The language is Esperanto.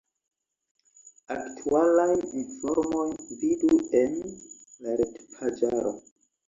Aktualajn informojn vidu en la retpaĝaro.